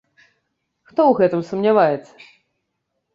Хто ў гэтым сумняваецца?